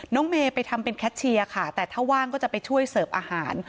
เมย์ไปทำเป็นแคทเชียร์ค่ะแต่ถ้าว่างก็จะไปช่วยเสิร์ฟอาหาร